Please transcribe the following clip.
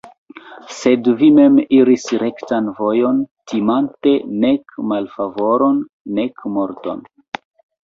Sed vi mem iris rektan vojon, timante nek malfavoron, nek morton.